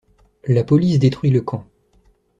La police détruit le camp.